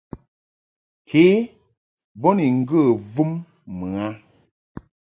Ke bo ni ŋgə vum mɨ a.